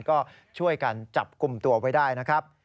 ก็ช่วยกันจับกลุ่มตัวไว้ได้นะครับ